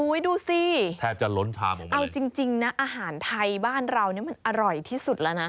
อุ้ยดูซิแทบจะล้นชามของเขาเลยเอาจริงนะอาหารไทยบ้านเรานี้มันอร่อยที่สุดแล้วนะ